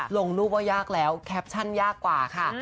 ลงรูปว่ายากแล้วแคปชั่นยากกว่าค่ะ